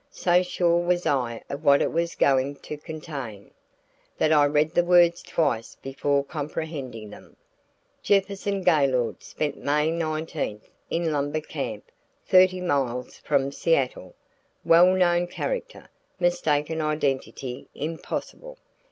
So sure was I of what it was going to contain, that I read the words twice before comprehending them. "Jefferson Gaylord spent May nineteenth in lumber camp thirty miles from Seattle. Well known character. Mistaken identity impossible.